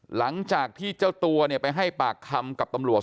หลังจากที่เจ้าตัวไปให้ปากคำกับตำรวจ